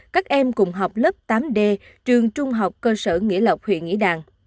các em cùng học lớp tám d trường trung học cơ sở nghĩa lộc huyện nghĩa đàn